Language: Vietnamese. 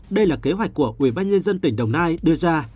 đây là kế hoạch của ubnd tỉnh đồng nai đưa ra